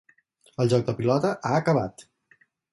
El joc de pilota ha acabat!